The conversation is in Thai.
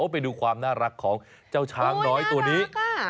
ไปดูความน่ารักของเจ้าช้างน้อยตัวนี้